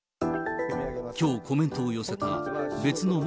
きょうコメントを寄せた別の元